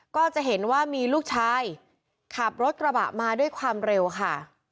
ก็จะเห็นว่ามีลูกชายขับรถกระบะมาด้วยความเร็วค่ะ